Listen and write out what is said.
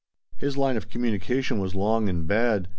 His line of communication was long and bad.